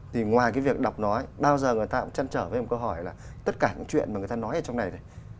thì ngoài cái việc đọc nói bao giờ người ta cũng chăn trở với một câu hỏi là tất cả những chuyện mà người ta nói ở trong này này